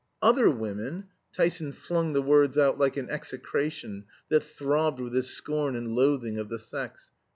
"Other women!" Tyson flung the words out like an execration that throbbed with his scorn and loathing of the sex.